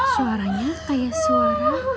suaranya kayak suara